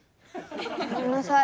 ごめんなさい。